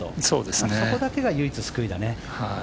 そこだけが唯一救いだね。